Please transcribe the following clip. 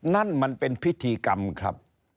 นั่นมันเป็นพิธีกรรมครับ